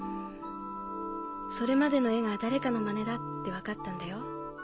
それまでの絵が誰かのマネだって分かったんだよ。